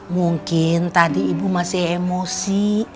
mungkin tadi ibu masih emosi